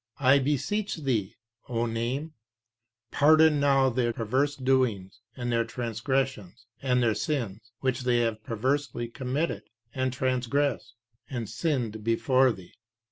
I beseech Thee, O Name, pardon now their perverse doings, and their transgressions, and their sins, which they have perversely committed, and transgressed, and sinned before thee.